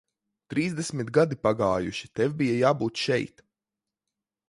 Trīsdesmit gadi pagājuši, tev bija jābūt šeit.